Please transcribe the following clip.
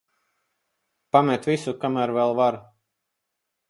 Pamet visu, kamēr vēl var.